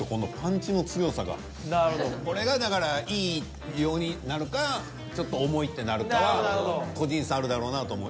これがだからいいようになるかちょっと重いってなるかは個人差あるだろうなと思う。